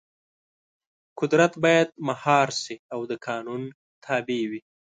قدرت باید مهار شي او د قانون تابع وي.